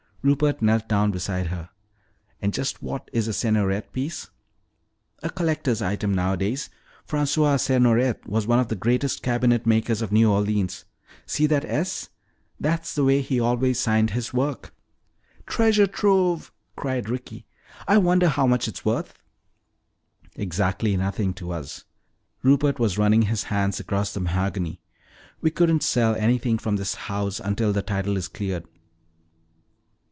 Rupert knelt down beside her. "And just what is a Sergnoret piece?" "A collector's item nowadays. François Sergnoret was one of the greatest cabinet makers of New Orleans. See that 'S' that's the way he always signed his work." "Treasure trove!" cried Ricky. "I wonder how much it's worth?" "Exactly nothing to us." Rupert was running his hands across the mahogany. "We couldn't sell anything from this house until the title is cleared."